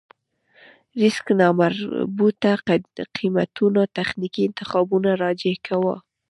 ريسک نامربوطه قېمتونه تخنيکي انتخابونو راجع کوو.